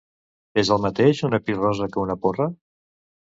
És el mateix una pirrossa que una porra?